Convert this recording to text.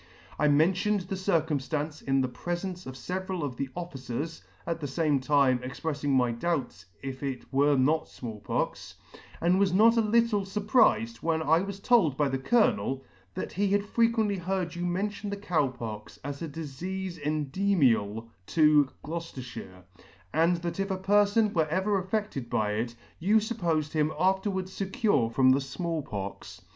I mentioned the circumffimce in the prefence of feveral of the officers, at the fame time expreffing my doubts if it were not Small Pox; and was not a little fur prifed when I was told by the Colonel, that he had frequently heard you mention the Cow Pox as a difeafe endemial to Gloucefterffiire, and that if a perfon were ever affedted by it, you fuppofed him afterwards fecure from the Small Pox.